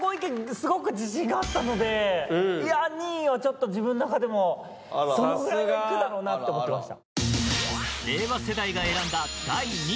すごく自信があったのでいや２位はちょっと自分の中でもそのぐらいはいくだろうなと思ってました